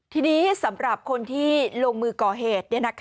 ทีนี้สำหรับคนที่ลงมือก่อเหตุ